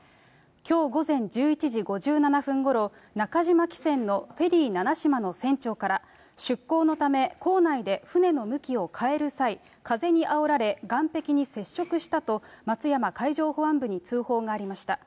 きょう午前１１時５７分ごろ、中島汽船のフェリーななしまの船長から、出航のため、港内で船の向きを変える際、風にあおられ岸壁に接触したと、松山海上保安部に通報がありました。